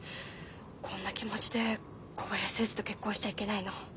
こんな気持ちで小林先生と結婚しちゃいけないの。